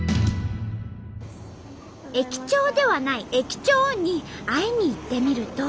駅長ではない駅長に会いに行ってみると。